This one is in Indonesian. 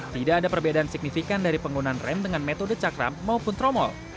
tidak ada perbedaan signifikan dari penggunaan rem dengan metode cakram maupun tromol